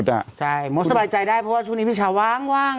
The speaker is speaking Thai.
ใช่มดสบายใจได้เพราะว่าช่วงนี้พี่ชาวว่าง